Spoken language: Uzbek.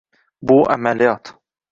bu amaliyot